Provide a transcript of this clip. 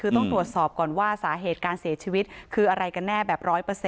คือต้องตรวจสอบก่อนว่าสาเหตุการเสียชีวิตคืออะไรกันแน่แบบ๑๐๐